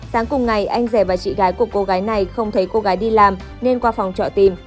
sáng cùng ngày anh rể và chị gái của cô gái này không thấy cô gái đi làm nên qua phòng trọ tìm